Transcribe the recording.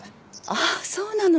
あっそうなの。